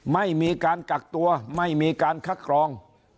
ไม่มีการกักตัวไม่มีการคัดกรอง